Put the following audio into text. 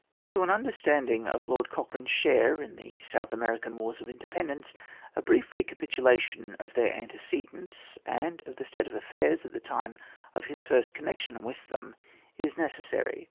To an understanding of Lord Cochrane's share in the South American wars of independence a brief recapitulation of their antecedents, and of the state of affairs at the time of his first connection with them, is necessary.